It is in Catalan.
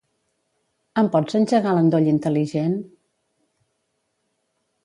Em pots engegar l'endoll intel·ligent?